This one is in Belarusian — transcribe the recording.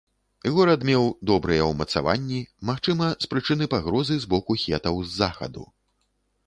Горад меў добрыя ўмацаванні, магчыма, з прычыны пагрозы з боку хетаў з захаду.